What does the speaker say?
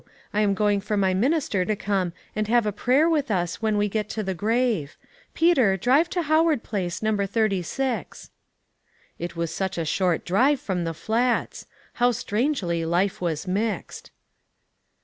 I am going for my minister to come and have a prayer with us when we get to the grave. Peter, drive to Howard Place, No. 36." It was such a short drive from the Flats ! How strangely life was mixed